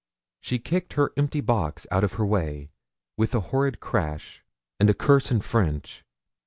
She kicked her empty box out of her way, with a horrid crash, and a curse in French.